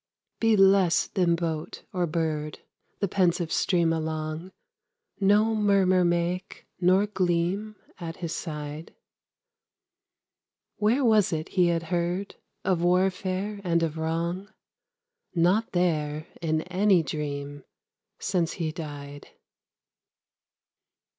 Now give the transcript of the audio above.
Be less than boat or bird, The pensive stream along; No murmur make, nor gleam, At his side. Where was it he had heard Of warfare and of wrong?— Not there, in any dream Since he died.